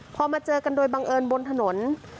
พอมาเจอกันโดยบังเอิญบนถนน